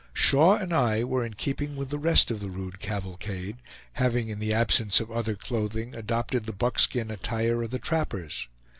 Shaw and I were in keeping with the rest of the rude cavalcade, having in the absence of other clothing adopted the buckskin attire of the trappers.